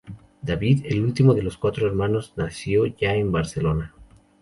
David, el último de los cuatro hermanos nació ya en Barcelona.